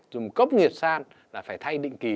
dùng cốc nghiệp san là phải thay định kỳ